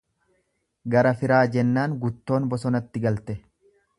Gara firaa jennaan guttoon bosonatti galte.